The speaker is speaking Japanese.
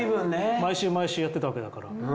毎週毎週やってたわけだから。